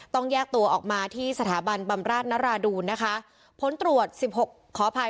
ต้องแยกตัวออกมาที่สถาบันบำราชนราดูนนะคะ